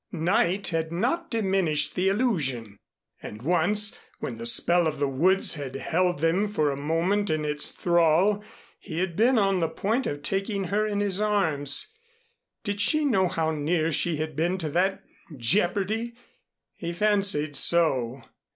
Night had not diminished the illusion; and once, when the spell of the woods had held them for a moment in its thrall, he had been on the point of taking her in his arms. Did she know how near she had been to that jeopardy? He fancied so.